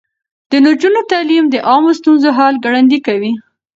د نجونو تعليم د عامه ستونزو حل ګړندی کوي.